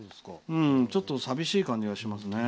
ちょっと寂しい感じがしますね。